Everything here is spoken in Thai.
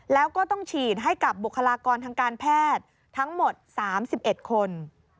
แล้วก็ต้องฉีดให้กับบุคลากรทางการแพทย์ทั้งหมด๓๑คน